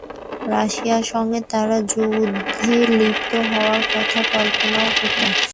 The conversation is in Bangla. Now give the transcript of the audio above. রাশিয়ার সঙ্গে তাঁরা যুদ্ধে লিপ্ত হওয়ার কথা কল্পনাও করতে পারেন না।